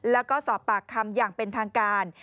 แล้วก็สอบปากคำอย่างเป็นทางการ